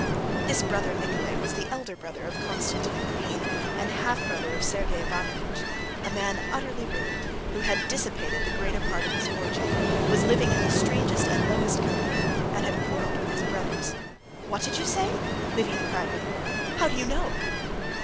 This brother Nikolay was the elder brother of Konstantin Levin, and half brother of Sergey Ivanovitch; a man utterly ruined, who had dissipated the greater part of his fortune, was living in the strangest and lowest company, and had quarreled with his brothers. "What did you say?" Levin cried with horror. "How do you know?"